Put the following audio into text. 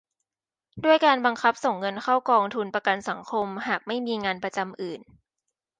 ด้วยการบังคับส่งเงินเข้ากองทุนประกันสังคมหากไม่มีงานประจำอื่น